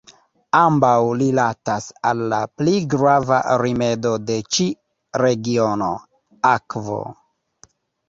Ambaŭ rilatas al la pli grava rimedo de ĉi regiono: akvo.